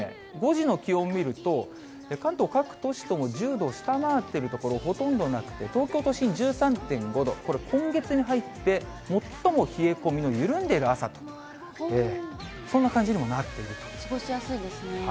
５時の気温見ると、関東各都市とも１０度を下回っているところ、ほとんどなくて、東京都心１３．５度、これ、今月に入って最も冷え込みの緩んでいる朝と、そんな感じにもなっ過ごしやすいですね。